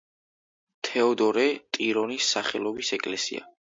თეოდორე ტირონის სახელობის ეკლესია.